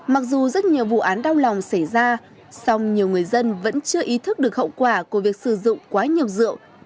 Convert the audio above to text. mặc dù rất nhiều vụ án đau lòng xảy ra song nhiều người dân vẫn chưa ý thức được hậu quả của việc sử dụng quá nhiều rượu